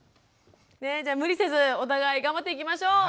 じゃ無理せずお互い頑張っていきましょう！